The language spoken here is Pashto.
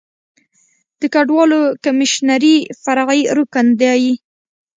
د کډوالو کمیشنري فرعي رکن دی.